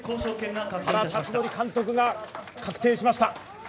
原辰徳監督が確定しました。